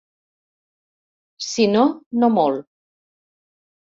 Si no, no mol.